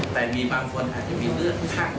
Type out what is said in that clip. แต่มีบางคนอาจจะมีเลือดข้าง